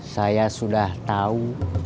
saya sudah tahu